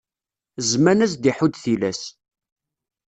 Zzman ad s-d-iḥudd tilas.